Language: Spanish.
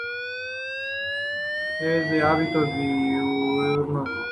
Es de hábitos diurnos.